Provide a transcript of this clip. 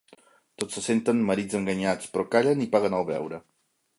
Tots se senten marits enganyats, però callen i paguen el beure.